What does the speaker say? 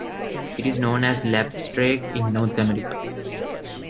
It is known as lapstrake in North America.